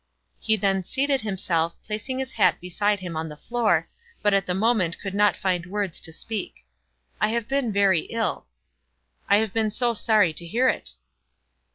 He then seated himself, placing his hat beside him on the floor, but at the moment could not find words to speak. "I have been very ill." "I have been so sorry to hear it."